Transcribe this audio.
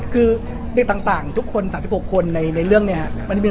คือเด็กต่างทุกคน๓๖คนในเรื่องนี้ครับ